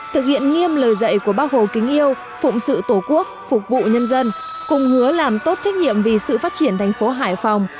thực hiện nghiêm lời dạy của bác hồ kính yêu phụng sự tổ quốc phục vụ nhân dân cùng hứa làm tốt trách nhiệm vì sự phát triển thành phố hải phòng